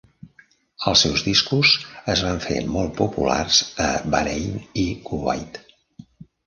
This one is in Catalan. Els seus discos es van fer molt populars a Bahrain i Kuwait.